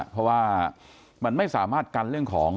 เพราะว่ามันไม่สามารถกันเรื่องของ